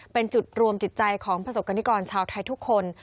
เป็นจุดรวมจิตใจของประสบกรณิกรชาวไทยทุกคน